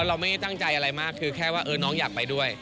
เราไม่ได้ตั้งใจอะไรมากคือแค่ว่าน้องอยากไปด้วย